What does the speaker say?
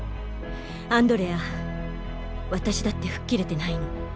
アンドレア私だって吹っ切れてないの。